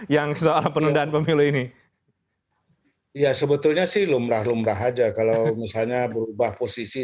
yang soal penundaan pemilu ini ya sebetulnya sih lumrah lumrah aja kalau misalnya berubah posisi